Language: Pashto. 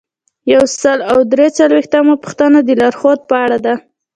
یو سل او درې څلویښتمه پوښتنه د لارښوود په اړه ده.